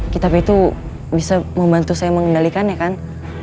kitab itu bisa membantu saya mengendalikannya kan